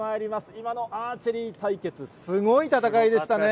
今のアーチェリー対決、すごい戦いでしたね。